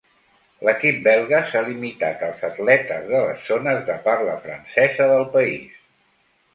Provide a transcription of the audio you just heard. L'equip belga s'ha limitat als atletes de les zones de parla francesa del país.